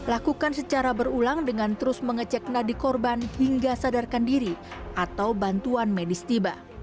lakukan secara berulang dengan terus mengecek nadik korban hingga sadarkan diri atau bantuan medis tiba